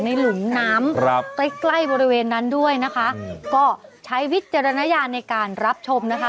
หลุมน้ำครับใกล้ใกล้บริเวณนั้นด้วยนะคะก็ใช้วิจารณญาณในการรับชมนะคะ